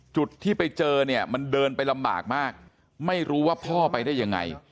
จุดที่ไปเจอเนี่ยมันเดินไปลำบากมากไม่รู้ว่าพ่อไปได้ยังไง